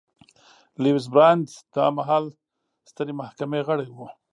لویس براندیز دا مهال د سترې محکمې غړی و.